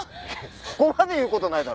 そこまで言う事ないだろ！